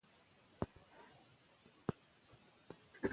شاعر د سپوږمۍ تر رڼا لاندې د عشق کیسې کوي.